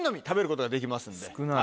少ない。